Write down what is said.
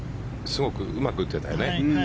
すごくうまく打てたよね。